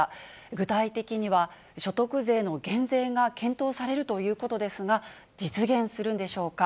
具体的には、所得税の減税が検討されるということですが、実現するんでしょうか。